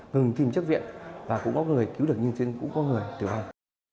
người tìm chức viện và cũng có người cứu được nhân sinh cũng có người tử vong